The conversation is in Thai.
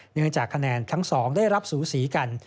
เนื่องจากคะแนนทั้ง๒ได้รับสูสีกัน